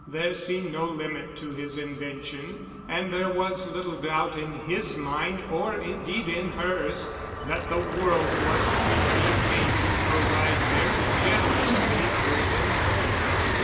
There seemed no limit to his invention, and there was little doubt in his mind, or, indeed, in hers, that the world was to be made to provide very generously for them both.